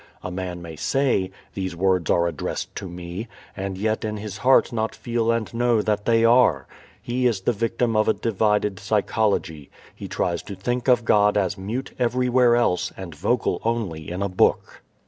A man may say, "These words are addressed to me," and yet in his heart not feel and know that they are. He is the victim of a divided psychology. He tries to think of God as mute everywhere else and vocal only in a book.